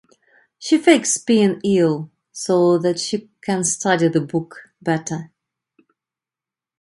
She fakes being ill so that she can study the book better.